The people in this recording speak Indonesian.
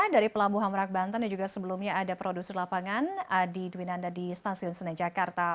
dari pelabuhan merak banten dan juga sebelumnya ada produser lapangan adi dwinanda di stasiun senen jakarta